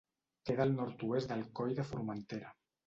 Queda al nord-oest del Coll de Formentera.